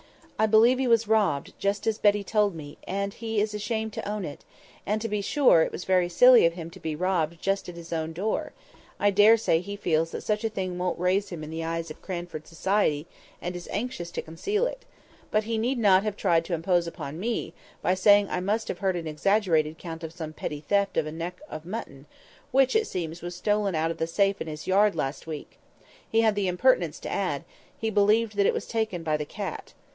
"I believe he was robbed, just as Betty told me, and he is ashamed to own it; and, to be sure, it was very silly of him to be robbed just at his own door; I daresay he feels that such a thing won't raise him in the eyes of Cranford society, and is anxious to conceal it—but he need not have tried to impose upon me, by saying I must have heard an exaggerated account of some petty theft of a neck of mutton, which, it seems, was stolen out of the safe in his yard last week; he had the impertinence to add, he believed that that was taken by the cat.